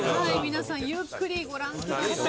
皆さんゆっくりご覧ください。